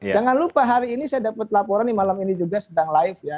jangan lupa hari ini saya dapat laporan di malam ini juga sedang live ya